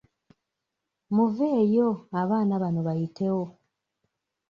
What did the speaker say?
Muveeyo abaana bano bayitewo.